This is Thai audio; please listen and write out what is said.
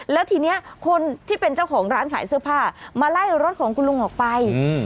แล้วทีนี้คนที่เป็นเจ้าของร้านขายเสื้อผ้ามาไล่รถของคุณลุงออกไป